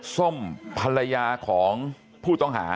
ส้มภรรยาของผู้ต้องหา